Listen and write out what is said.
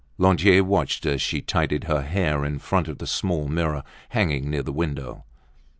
Lantier watched as she tidied her hair in front of the small mirror hanging near the window.